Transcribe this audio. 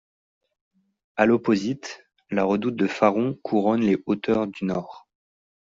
A l'opposite, la redoute de Faron couronne les hauteurs du nord.